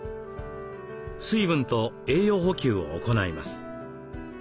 水分と栄養補給を行います。